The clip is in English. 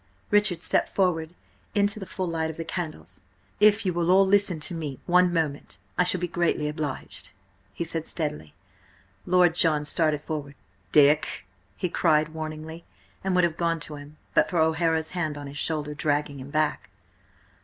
Richard stepped forward into the full light of the candles. "If you will all listen to me one moment, I shall be greatly obliged," he said steadily. Lord John started forward. "Dick!" he cried, warningly, and would have gone to him, but for O'Hara's hand on his shoulder, dragging him back.